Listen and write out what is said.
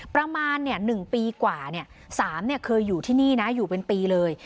ประมาณเนี่ยหนึ่งปีกว่าเนี่ยสามเนี่ยเคยอยู่ที่นี่นะอยู่เป็นปีเลย